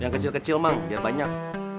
yang kecil kecil mang biar banyak